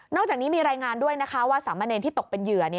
จากนี้มีรายงานด้วยนะคะว่าสามเณรที่ตกเป็นเหยื่อ